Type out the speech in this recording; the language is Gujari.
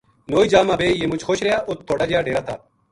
نوئی جا ما بے یہ مُچ خوش رہیا اُت تھوڑ ا جا ڈیرا تھا